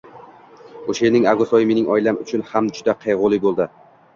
O‘sha yilning avgust oyi mening oilam uchun ham juda qaygʻuli boʻldi.